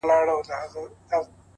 تک سپين کالي کړيدي،